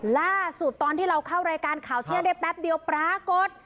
ล่าสุดตอนที่เราเข้ารายการข่าวเที่ยงได้แป๊บเดียวปรากฏ